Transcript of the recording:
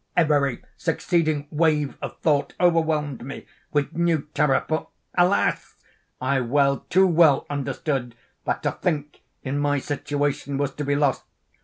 Every succeeding wave of thought overwhelmed me with new terror, for, alas! I well, too well understood that to think, in my situation, was to be lost.